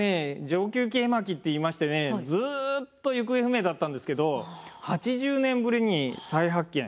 「承久記絵巻」っていいましてねずっと行方不明だったんですけど８０年ぶりに再発見。